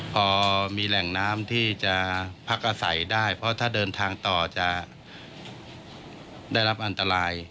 พอมีแหล่งน้ำที่จะพักอาศัยได้เพราะถ้าเดินทางต่อจะได้รับอันตราย